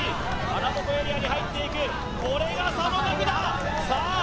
穴ぼこエリアに入っていくこれが佐野岳ださあ